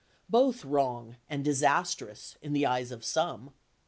Both wrong and disastrous in the eyes of some.